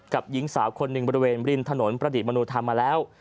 หญิงสาวคนหนึ่งบริเวณริมถนนประดิษฐมนุธรรมมาแล้ว